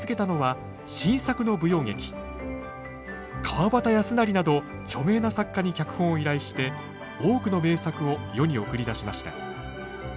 川端康成など著名な作家に脚本を依頼して多くの名作を世に送り出しました。